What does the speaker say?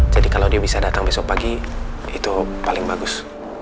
jadi kalau dia bisa datang besok pagi itu paling bagus